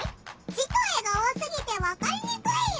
字と絵が多すぎてわかりにくいよ。